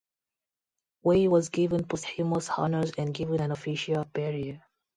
Wei was given posthumous honors and given an official burial.